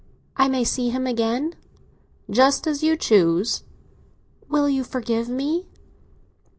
"I may see him again?" "Just as you choose." "Will you forgive me?"